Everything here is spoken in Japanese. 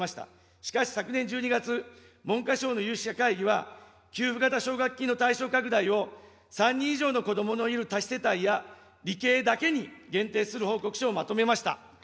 しかし、昨年１２月、文科省の有識者会議は、給付型奨学金の対象拡大を３人以上の子どものいる多子世帯や、理系だけに限定する報告書をまとめました。